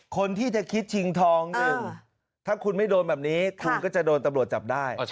คนที่จะคิดชิงทอง๑ถ้าคุณไม่โดนแบบนี้คุณก็จะโดนตำรวจจับได้